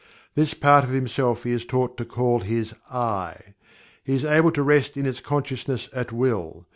This part of himself he is taught to call his "I." He is able to rest in its consciousness at will.